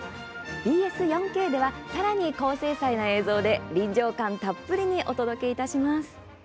ＢＳ４Ｋではさらに高精細な映像で臨場感たっぷりにお届けいたします。